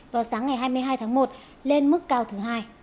vào sáng ngày hai mươi hai tháng một lên mức cao thứ hai